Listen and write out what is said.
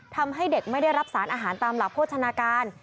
ทำให้เด็กไม่ได้รับสารอาหารตามหลักโภชนาการ